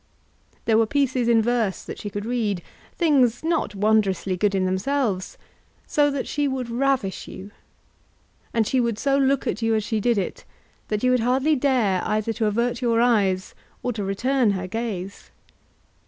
There were pieces in verse that she could read, things not wondrously good in themselves, so that she would ravish you; and she would so look at you as she did it that you would hardly dare either to avert your eyes or to return her gaze.